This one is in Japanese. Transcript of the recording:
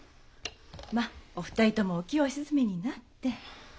まあお二人ともお気をお静めになって。